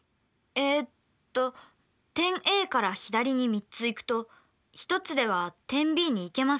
えっと点Ａから左に３つ行くと１つでは点Ｂに行けませんね。